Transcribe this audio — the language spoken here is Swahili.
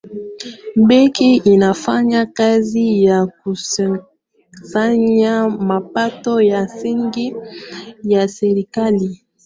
benki inafanya kazi ya kukusanya mapato ya msingi ya serikali